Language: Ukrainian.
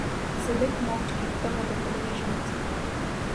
Сидить мовчки та воду подає жінці.